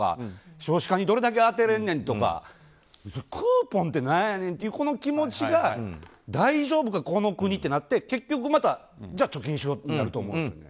少子化にどれだけ充てれるねんとかクーポンって何やねんっていう気持ちが大丈夫かこの国ってなって結局、また貯金しようになると思うんですよ。